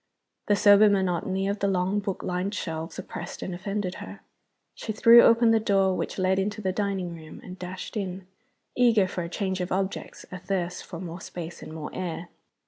The sober monotony of the long book lined shelves oppressed and offended her. She threw open the door which led into the dining room, and dashed in, eager for a change of objects, athirst for more space and more air.